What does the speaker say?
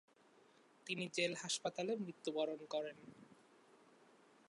তিনি জেল হাসপাতালে মৃত্যুবরণ করেন।